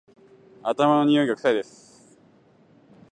頭のにおいが臭いです